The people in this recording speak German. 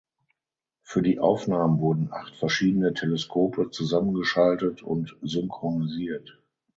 Für die Aufnahmen wurden acht verschiedene Teleskope zusammengeschaltet und synchronisiert.